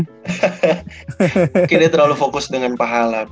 mungkin dia terlalu fokus dengan pahala